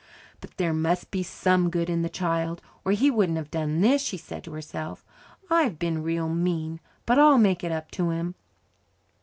"But there must be some good in the child, or he wouldn't have done this," she said to herself. "I've been real mean, but I'll make it up to him."